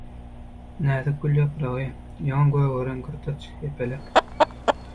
Näzik gül ýapragy, ýaňy gögeren gyrtyç, ýepelek...